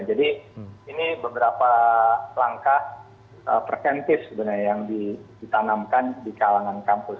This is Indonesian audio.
jadi ini beberapa langkah perkentis sebenarnya yang ditanamkan di kalangan kampus